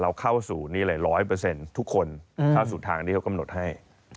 เข้าสู่นี่เลย๑๐๐ทุกคนเข้าสู่ทางที่เขากำหนดให้